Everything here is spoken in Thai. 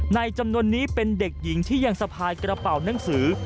จำนวนนี้เป็นเด็กหญิงที่ยังสะพายกระเป๋าหนังสือ